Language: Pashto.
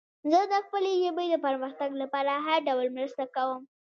زه د خپلې ژبې د پرمختګ لپاره هر ډول مرسته کوم.